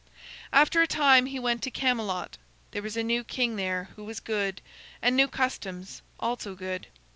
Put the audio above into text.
After a time he went to Camelot. There was a new king there, who was good, and new customs, also good.